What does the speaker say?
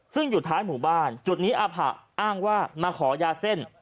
ซึ่งอยู่ท้ายหมู่บ้านจุดนี้อาผะอ้างว่ามาขอยาเส้น